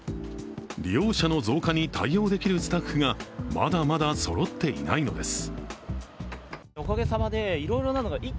利用者の増加に対応できるスタッフがまだまだそろっていないのです。